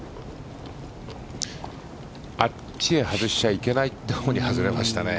あっちに外しちゃいけないという方に外れましたね。